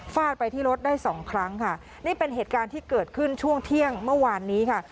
ไปที่รถได้สองครั้งค่ะนี่เป็นเหตุการณ์ที่เกิดขึ้นช่วงเที่ยงเมื่อวานนี้ค่ะ